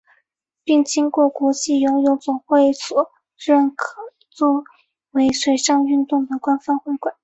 并经国际游泳总会所认可作为水上运动的官方会馆。